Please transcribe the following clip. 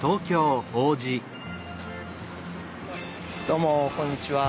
どうもこんにちは。